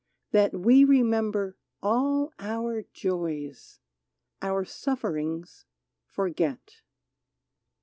That we remember all our joys, Our sufferings forget